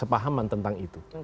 saya masih tidak paham tentang itu